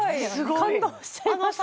感動しちゃいました